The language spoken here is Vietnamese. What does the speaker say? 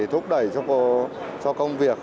thúc đẩy cho công việc